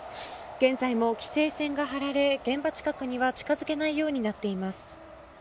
現在も規制線が張られ現場近くには近づけないようになっています。